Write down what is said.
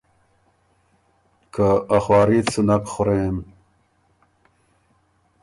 که ”ا خواري ت سُو نک خورېم“